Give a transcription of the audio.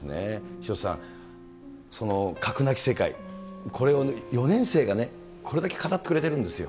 潮田さん、核なき世界、これを４年生がこれだけ語ってくれてるんですよ。